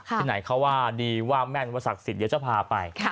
ที่ไหนเขาว่าดีว่าแม่นว่าศักดิ์สิทธิ์เดี๋ยวจะพาไป